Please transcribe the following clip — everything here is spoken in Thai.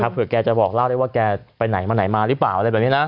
เผื่อแกจะบอกเล่าได้ว่าแกไปไหนมาไหนมาหรือเปล่าอะไรแบบนี้นะ